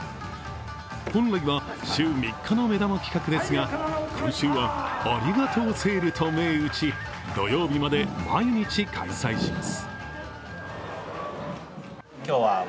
本来は週３日の目玉企画ですが、今週はありがとうセールと銘打ち土曜日まで毎日開催します。